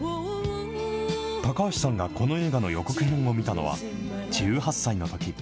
高橋さんがこの映画の予告編を見たのは、１８歳のとき。